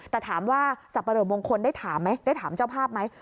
แต่ถามว่าสับปะเหลอมงคลได้ถามไหมได้ถามเจ้าภาพไหม